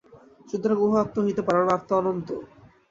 সুতরাং উহাও আত্মা হইতে পারে না, আত্মা অনন্ত।